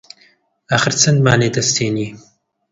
ئاخر چەندمان لێ دەستێنی؟